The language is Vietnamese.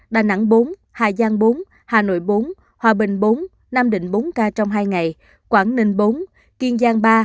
đà nẵng bốn hà giang bốn hà nội bốn hòa bình bốn nam định bốn ca trong hai ngày quảng ninh bốn kiên giang ba